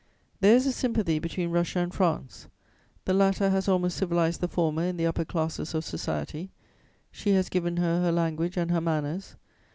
"There is a sympathy between Russia and France; the latter has almost civilized the former in the upper classes of society; she has given her her language and her manners.